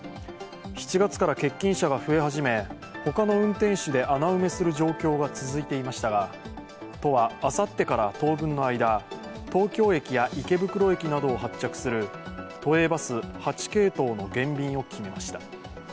７月から欠勤者が増え始め他の運転手で穴埋めする状況が続いていましたが、都はあさってから当分の間東京駅や池袋駅などを発着する都営バス８系統の減便を決めました